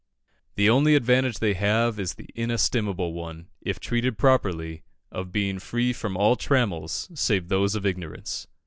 The only advantage they have is the inestimable one, if properly treated, of being free from all trammels save those of ignorance.